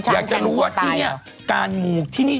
อยากจะดูกันที่เกิดนี้